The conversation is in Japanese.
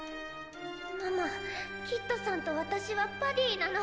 ママキッドさんと私はバディなの。